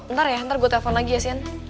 ntar ya ntar gue telepon lagi ya sian